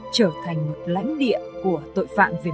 trở thành một lãnh địa của tội phạm dân tộc mông